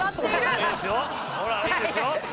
ほらいいですよ。